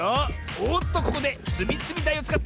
おっとここでつみつみだいをつかった！